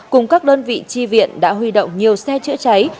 cùng các đơn vị chi viện đã huy động nhiều xe chữa cháy